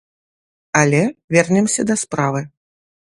Але вернемся да справы.